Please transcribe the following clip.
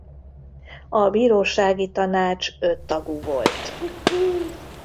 A bírósági tanács öt tagú volt.